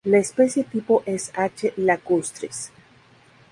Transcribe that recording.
La especie tipo es "H. lacustris".